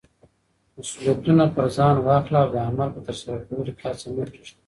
مسولیتونه پر ځان واخله او د عمل په ترسره کولو کې هڅه مه پریږده.